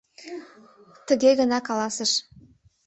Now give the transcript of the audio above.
Тыге гына каласыш: